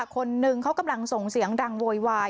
คนหนึ่งเขากำลังส่งเสียงดังโวยวาย